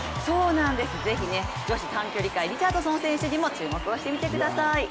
是非、女子短距離界リチャードソン選手にも注目してみてください。